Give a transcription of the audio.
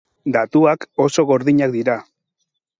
Datuak oso gordinak dira.